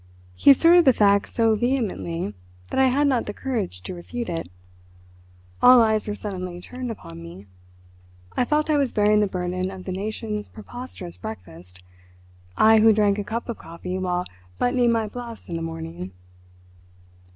He asserted the fact so vehemently that I had not the courage to refute it. All eyes were suddenly turned upon me. I felt I was bearing the burden of the nation's preposterous breakfast—I who drank a cup of coffee while buttoning my blouse in the morning.